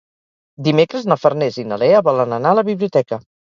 Dimecres na Farners i na Lea volen anar a la biblioteca.